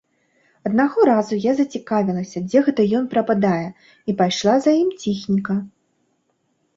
Аднаго разу я зацікавілася, дзе гэта ён прападае, і пайшла за ім ціхенька.